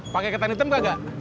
pake ketan hitam kagak